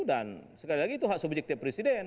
dan sekali lagi itu hak subjektif presiden